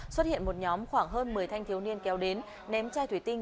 xuất hiện một nhóm khoảng hơn một mươi thanh thiếu niên kéo đến ném chai thủy tinh